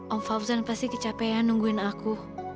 om faufzan pasti kecapean nungguin aku